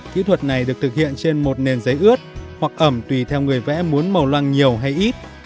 kỹ thuật này được thực hiện trên một nền giấy ướt hoặc ẩm tùy theo người vẽ muốn màu loang nhiều hay ít